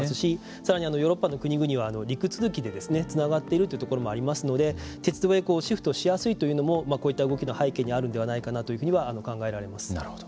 さらにヨーロッパの国々は陸続きでつながっているというところもありますので鉄道にシフトしやすいというのもこういった動きの背景にあるんではないかななるほど。